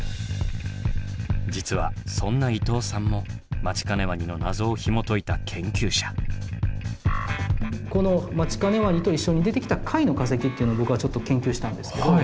実はそんな伊藤さんもマチカネワニの謎をひもといた研究者。っていうのを僕はちょっと研究したんですけど。